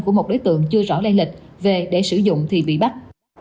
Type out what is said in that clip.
của một đối tượng chưa rõ lây lịch về để sử dụng thì bị bắt